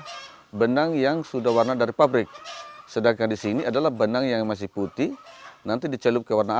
dan ini adalah benang yang sudah warna dari pabrik sedangkan di sini adalah benang yang masih putih nanti dicelup ke warna alam